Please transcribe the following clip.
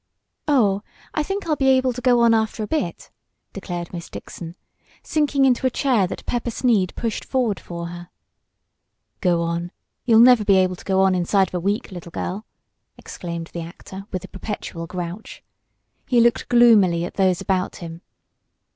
"Oh, I think I'll be able to go on after a bit," declared Miss Dixon, sinking into a chair that Pepper Sneed pushed forward for her. "Go on! You'll never be able to go on inside of a week, little girl!" exclaimed the actor with the perpetual "grouch." He looked gloomily at those about him.